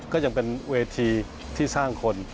ก็ยังเป็นเวทีที่สร้างคน